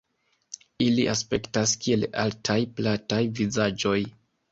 Ili aspektas kiel altaj plataj vizaĝoj.